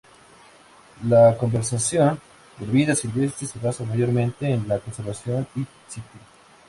La conservación de la vida silvestre se basa mayormente en la conservación "in situ".